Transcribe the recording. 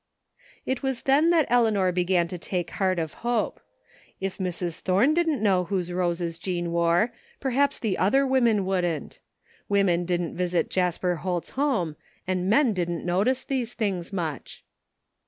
It was then that Eleanor began to take heart of hope. If Mrs. Thome didn't know whose roses Jean wore perhaps the other women wouldn't Women didn't visit Jasper Holt's home, and men didn't notice those things much.